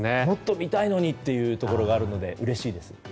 もっと見たいのにというところがあるのでうれしいです。